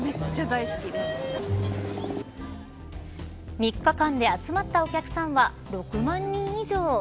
３日間で集まったお客さんは６万人以上。